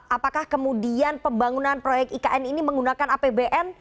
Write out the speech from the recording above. apakah kemudian pembangunan proyek ikn ini menggunakan apbn